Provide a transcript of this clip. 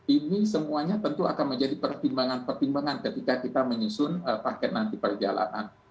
ini semuanya tentu akan menjadi pertimbangan pertimbangan ketika kita menyusun paket nanti perjalanan